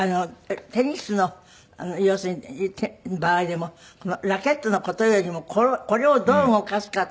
テニスの場合でもラケットの事よりもこれをどう動かすかって。